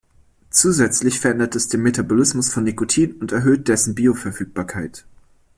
Zusätzlich verändert es den Metabolismus von Nikotin und erhöht dessen Bioverfügbarkeit.